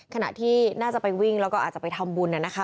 ขณะที่น่าจะไปวิ่งแล้วก็อาจจะไปทำบุญนะคะ